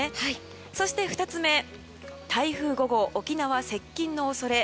そして２つ目台風５号、沖縄接近の恐れ。